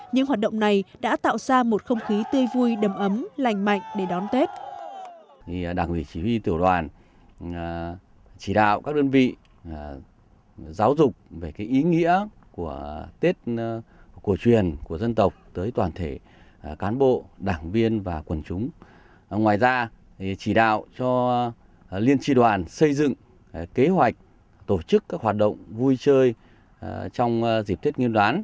những hoạt động này đã tạo ra một không khí tươi vui đầm ấm lành mạnh để đón tết